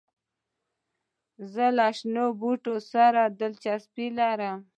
زه له شنو بوټو سره دلچسپي لرم.